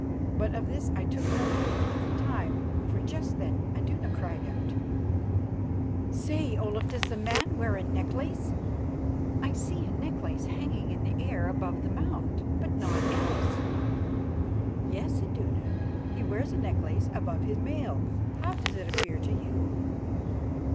But of this I took no note at the time, for just then Iduna cried out: "Say, Olaf, does the man wear a necklace? I see a necklace hanging in the air above the mount, but naught else." "Yes, Iduna, he wears a necklace above his mail. How does it appear to you?"